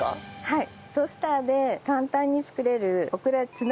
はい。